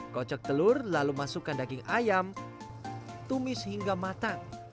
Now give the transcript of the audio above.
kocok telur lalu masukkan daging ayam tumis hingga matang